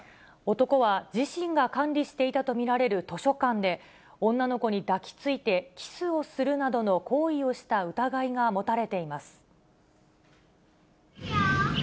男は自身が管理していたと見られる図書館で、女の子に抱きついてキスをするなどの行為をした疑いが持たれています。